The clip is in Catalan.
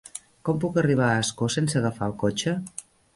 Com puc arribar a Ascó sense agafar el cotxe?